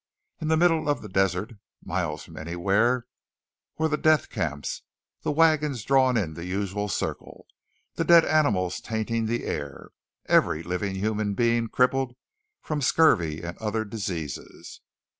In the middle of the desert, miles from anywhere, were the death camps, the wagons drawn in the usual circle, the dead animals tainting the air, every living human being crippled from scurvy and other diseases.